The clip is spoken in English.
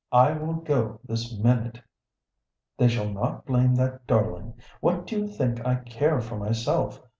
I will go this minute. They shall not blame that darling. What do you think I care for myself?